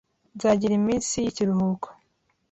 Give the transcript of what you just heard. Nzagira iminsi yikiruhuko.